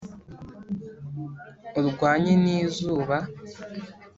urwanye n'izuba